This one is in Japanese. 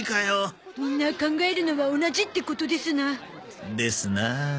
みんな考えるのは同じってことですな。ですな。